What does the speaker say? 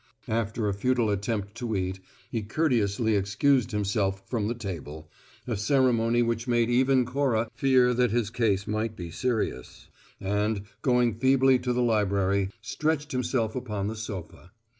After a futile attempt to eat, he courteously excused himself from the table a ceremony which made even Cora fear that his case might be serious and, going feebly to the library, stretched himself upon the sofa.